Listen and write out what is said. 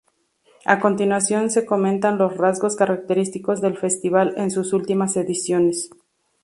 A continuación se comentan los rasgos característicos del festival en sus últimas ediciones.